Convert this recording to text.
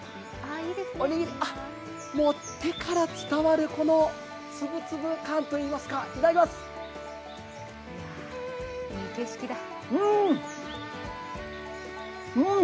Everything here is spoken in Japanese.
もう手から伝わるこのつぶつぶ感といいますか、いただきますうん！